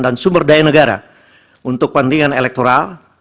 dan sumber daya negara untuk kepentingan elektoral